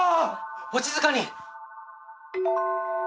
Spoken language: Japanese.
お静かに！